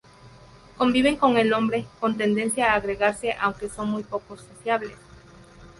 Conviven con el hombre, con tendencia a agregarse aunque son muy poco sociables.